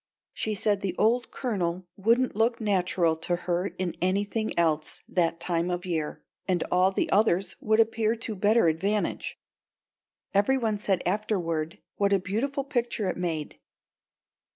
She said the old Colonel wouldn't look natural to her in anything else that time of year, and all the others would appear to better advantage. Every one said afterward what a beautiful picture it made.